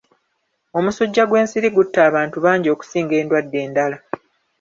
Omusujja gwe'nsiri gutta abantu bangi okusinga endwadde endala.